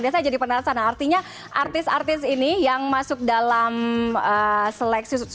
biasanya jadi penasaran artinya artis artis ini yang masuk dalam seleksi